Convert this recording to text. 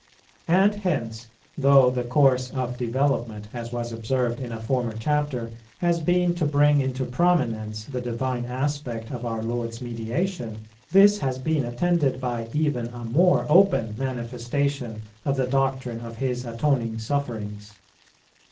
And hence, though the course of development, as was observed in a former Chapter, has been to bring into prominence the divine aspect of our Lord's mediation, this has been attended by even a more open manifestation of the doctrine of His atoning sufferings.